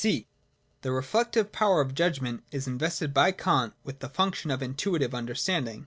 55.] (c) The Reflective Power of Judgment is in vested by Kant with the function of an Intuitive Under standing.